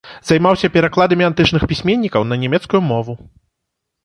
Займаўся перакладамі антычных пісьменнікаў на нямецкую мову.